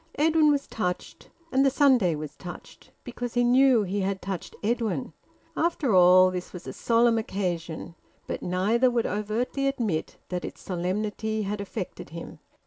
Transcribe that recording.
Edwin was touched. And the Sunday was touched, because he knew he had touched Edwin. After all, this was a solemn occasion. But neither would overtly admit that its solemnity had affected him.